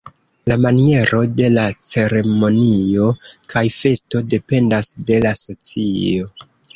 La maniero de la ceremonio kaj festo dependas de la socio.